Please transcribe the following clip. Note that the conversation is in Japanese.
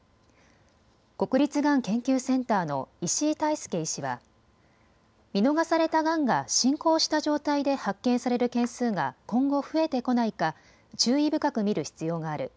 国立がん研究センターの石井太祐医師は見逃されたがんが進行した状態で発見される件数が今後、増えてこないか注意深く見る必要がある。